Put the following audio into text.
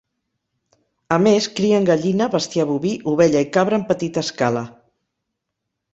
A més crien gallina, bestiar boví, ovella i cabra en petita escala.